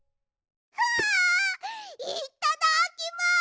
わあいっただっきます！